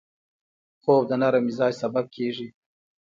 خوب د نرم مزاج سبب کېږي